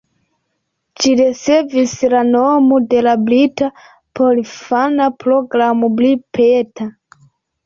Ĝi ricevis la nomon de la brita porinfana programo Blue Peter.